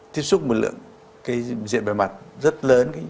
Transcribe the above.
tiếp xúc với lượng diện bề mặt rất lớn